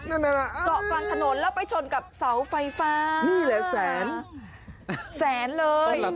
เกาะกลางถนนแล้วไปชนกับเสาไฟฟ้านี่แหละแสนแสนเลยต้นละแสน